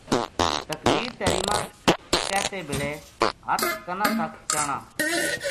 تکبیر تحریمہ کہتے بلے ہتھ کناں تک چانا